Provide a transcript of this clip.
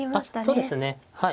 そうですねはい。